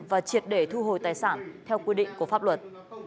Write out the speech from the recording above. và triệt để thu hồi tài sản theo quy định của pháp luật